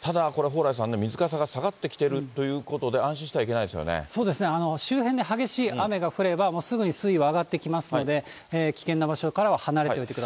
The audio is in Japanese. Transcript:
ただこれ、蓬莱さんね、水かさが下がってきているということで、そうですね、周辺で激しい雨が降れば、すぐに水位は上がってきますので、危険な場所からは離れておいてく